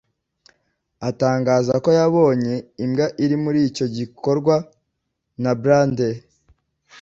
Atangaza ko yabonye imbwa iri muri icyo gikorwa na Bradley